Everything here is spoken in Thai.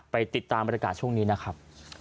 ไปติดตามบริษัทช่วงนี้นะครับ